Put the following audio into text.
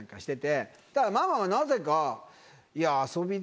そしたらママがなぜか。